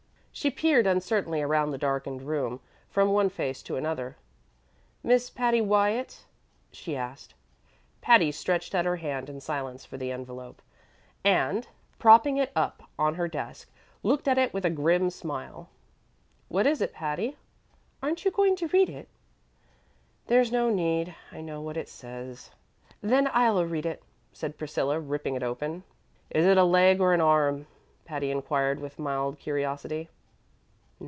She peered uncertainly around the darkened room from one face to another. "Miss Patty Wyatt?" she asked. Patty stretched out her hand in silence for the envelop, and, propping it up on her desk, looked at it with a grim smile. "What is it, Patty? Aren't you going to read it?" "There's no need. I know what it says." "Then I'll read it," said Priscilla, ripping it open. "Is it a leg or an arm?" Patty inquired with mild curiosity.